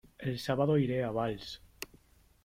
¡El sábado iré a Valls!